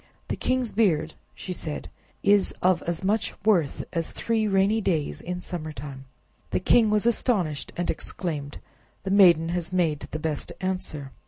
"The king's beard," she said, "is of as much worth as three rainy days in summer time." The king was astonished and exclaimed, "The maiden has made the best answer!"